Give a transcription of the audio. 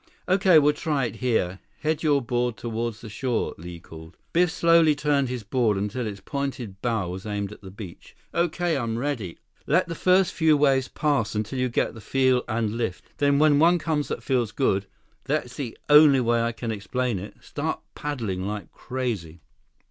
"Okay, we'll try it here. Head your board toward shore," Li called. Biff slowly turned his board until its pointed bow was aimed at the beach. "Okay. I'm ready." "Let the first few waves pass until you get the feel and lift. Then, when one comes that feels good—that's the only way I can explain it—start paddling like crazy."